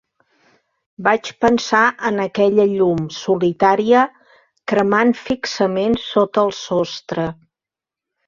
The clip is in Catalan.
Vaig pensar en aquella llum solitària cremant fixament sota el sostre.